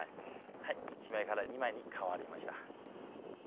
１枚から２枚に変わりました。